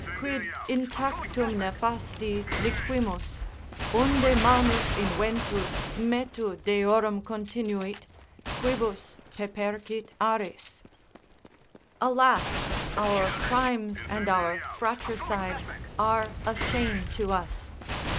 quid intactum nefasti Liquimus? Unde manus inventus Metu Deorum continuit? quibus Pepercit aris." ["Alas! our crimes and our fratricides are a shame to us!